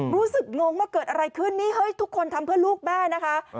งงว่าเกิดอะไรขึ้นนี่เฮ้ยทุกคนทำเพื่อลูกแม่นะคะ